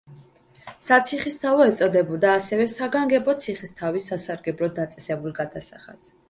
საციხისთავო ეწოდებოდა ასევე საგანგებოდ ციხისთავის სასარგებლოდ დაწესებულ გადასახადს.